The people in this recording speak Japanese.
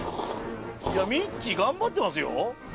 いやみっちー頑張ってますよ。